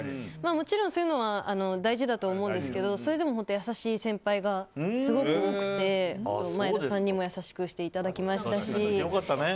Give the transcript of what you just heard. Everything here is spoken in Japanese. もちろん、そういうのは大事だと思うんですけどそれでも優しい先輩がすごく多くて前田さんにも優しくしていただきましたし。